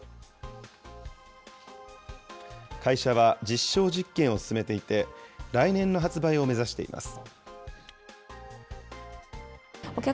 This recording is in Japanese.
会社は実証実験を進めていて、来年の発売を目指しています。